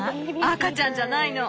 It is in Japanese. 赤ちゃんじゃないの。